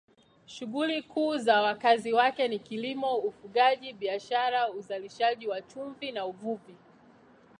Shughuli kuu za wakazi wake ni kilimo, ufugaji, biashara, uzalishaji wa chumvi na uvuvi.